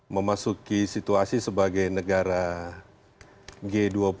memasuki situasi sebagai negara g dua puluh